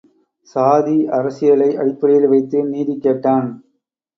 சாதி அரசியலை அடிப்படையில் வைத்து நீதி கேட்டான்.